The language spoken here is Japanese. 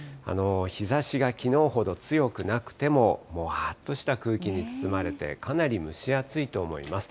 日ざしがきのうほど強くなくても、もわーっとした空気に包まれて、かなり蒸し暑いと思います。